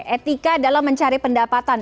etika dalam mencari pendapatan